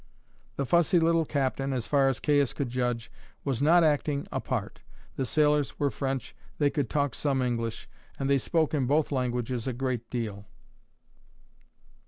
The fussy little captain, as far as Caius could judge, was not acting a part. The sailors were French; they could talk some English; and they spoke in both languages a great deal.